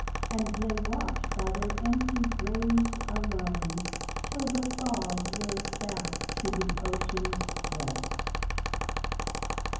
And they watch by their empty graves alone Till the fog rolls back to the ocean's breast.